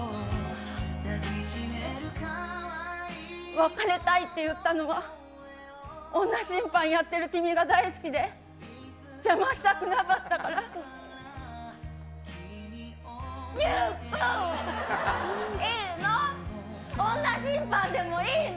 別れたいって言ったのは、女審判やってる君が大好きで、邪魔したくなかったから、ゆう君、いいの？